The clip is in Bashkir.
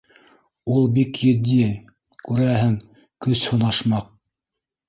Ул бик етди, күрәһең, көс һынашмаҡ.